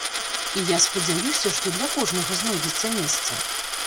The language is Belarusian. І я спадзяюся, што для кожнага знойдзецца месца.